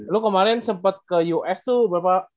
lu kemarin sempet ke us tuh berapa